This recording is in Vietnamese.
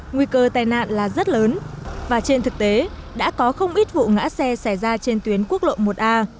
nguy cơ tai nạn là rất lớn và trên thực tế đã có không ít vụ ngã xe xảy ra trên tuyến quốc lộ một a